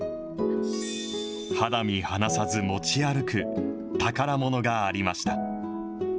肌身離さず持ち歩く宝ものがありました。